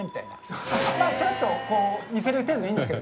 ちらっと見せる程度でいいんですけれども。